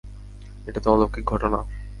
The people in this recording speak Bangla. এটা তো অলৌকিক ঘটনা।